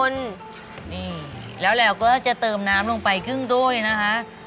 นี่แล้วเราก็จะเติมน้ำลงไปครึ่งถ้วยนะคะ